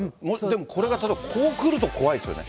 でもこれがこう来ると怖いですよね。